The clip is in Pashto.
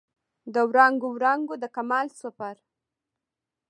د وړانګو، وړانګو د کمال سفر